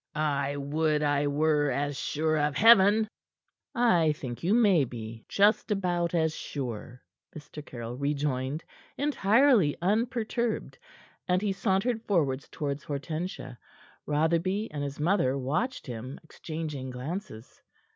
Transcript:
"I would I were as sure of Heaven." "I think you may be just about as sure," Mr. Caryll rejoined, entirely unperturbed, and he sauntered forward towards Hortensia. Rotherby and his mother watched him, exchanging glances.